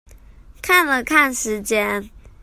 看了看時間